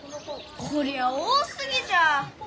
こりゃあ多すぎじゃ！